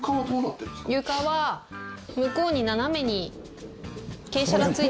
床は向こうに斜めに傾斜がついてるんですよ